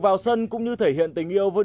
b liền nhau đây